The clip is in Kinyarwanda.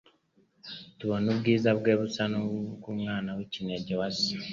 tubona ubwiza bwe busa n'ubw'Umwana w'ikinege wa Se.»